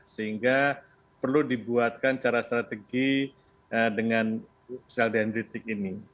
sehingga perlu dibuatkan cara strategi dengan sel dendritik ini